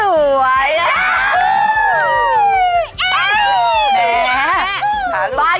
ยังอยู่กับพวกเราสามคนเหมือนเดิมเพิ่มเติมคือความสวย